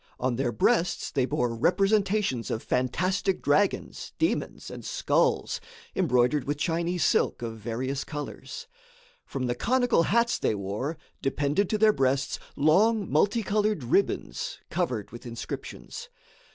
On their breasts they bore representations of fantastic dragons, demons and skulls, embroidered with Chinese silk of various colors. From the conical hats they wore, depended to their breasts long multicolored ribbons, covered with inscriptions.